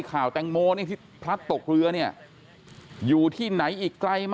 ข่าวแตงโมที่พระตกเรืออยู่ที่ไหนอีกไกล